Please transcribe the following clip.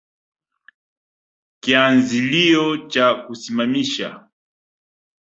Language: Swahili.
Kianzilio cha kusimamisha